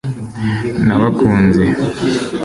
nabakunze